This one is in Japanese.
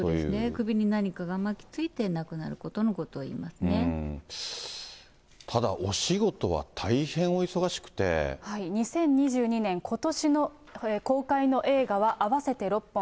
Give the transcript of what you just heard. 首に何かが巻きついて、ただ、お仕事は大変お忙しく２０２２年、ことし公開の映画は、合わせて６本。